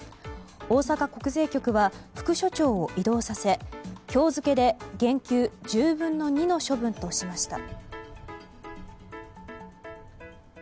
大阪国税局は副署長を異動させ今日付で減給１０分の２の処分としました。